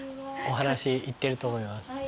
お話いってると思います。